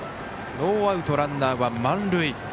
ノーアウト、ランナーは満塁。